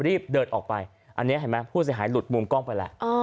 รีบเดินออกไปอันนี้เห็นไหมผู้เสียหายหลุดมุมกล้องไปแล้ว